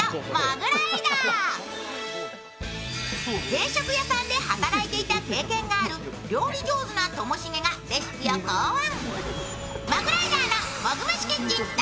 定食屋さんで働いていた経験がある料理上手なともしげがレシピを考案。